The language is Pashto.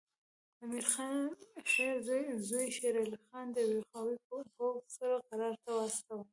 امیر خپل زوی شیر علي خان د یوه قوي پوځ سره فراه ته واستاوه.